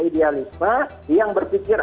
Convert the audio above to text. idealisme yang berpikir